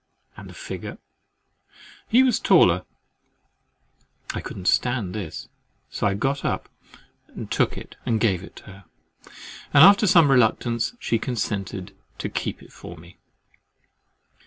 —"And the figure?"—"He was taller."—I could not stand this. So I got up and took it, and gave it her, and after some reluctance, she consented to "keep it for me."